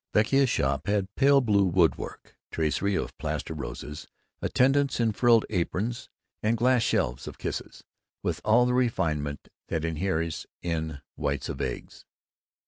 Vecchia's shop had pale blue woodwork, tracery of plaster roses, attendants in frilled aprons, and glass shelves of "kisses" with all the refinement that inheres in whites of eggs.